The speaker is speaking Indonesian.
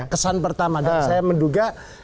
kesan pertama saya menduga